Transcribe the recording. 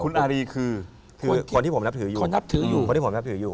คือคนที่ผมรับถืออยู่